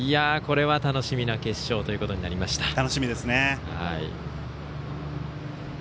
これは楽しみな決勝ということになりました。